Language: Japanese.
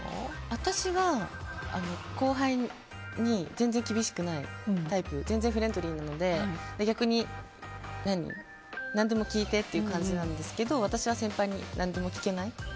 私は後輩に全然厳しくないタイプ全然フレンドリーなので逆に、何でも聞いてっていう感じなんですけど私は先輩に何でも聞けない。